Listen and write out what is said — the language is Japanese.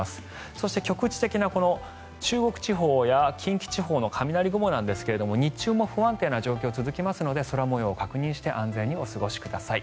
そして、局地的な中国地方や近畿地方の雷雲ですが日中も不安定な状況が続きますので空模様を確認して安全にお過ごしください。